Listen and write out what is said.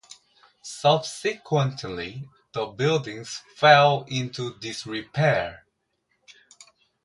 Subsequently, the buildings fell into disrepair.